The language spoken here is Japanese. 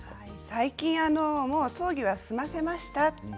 最近、葬儀は済ませました。